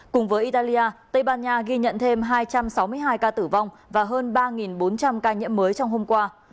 cùng với italia tây ban nha ghi nhận thêm hai trăm sáu mươi hai ca tử vong và hơn ba bốn trăm linh ca nhiễm mới trong hôm qua